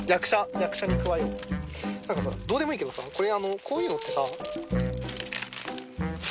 何かさどうでもいいけどさこういうのってさ。